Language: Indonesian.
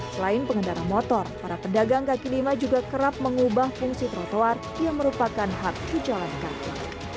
selain pengendara motor para pedagang kaki lima juga kerap mengubah fungsi trotoar yang merupakan hak pejalan kaki